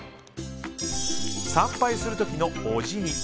参拝する時のお辞儀。